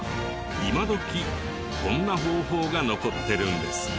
今どきこんな方法が残ってるんですね。